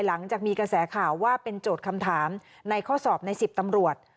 หลังจากมีกระแสข่าวว่าเป็นโจทย์คำถามในข้อสอบใน๑๐ตำรวจ